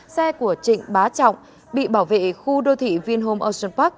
xe của trịnh bá trọng bị bảo vệ khu đô thị vinhome ocean park